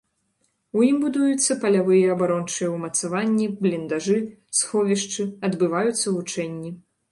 У ім будуюцца палявыя абарончыя ўмацаванні, бліндажы, сховішчы, адбываюцца вучэнні.